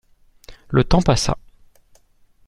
Le temps passa.